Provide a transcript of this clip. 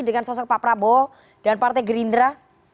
dengan sosok pak prabowo dan partai gerindra